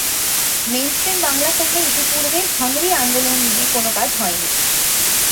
Main stream Bangla ফিল্মে ইতোপূর্বে hungry আন্দোলন নিয়ে কোনও কাজ হয়নি।